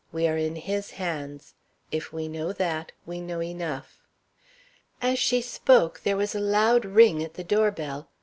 We are in his hands. If we know that, we know enough." As she spoke there was a loud ring at the doorbell.